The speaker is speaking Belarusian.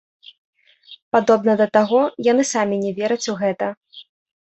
Падобна да таго, яны самі не вераць у гэта.